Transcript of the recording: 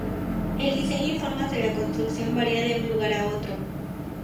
El diseño y formas de la construcción varía de un lugar a otro.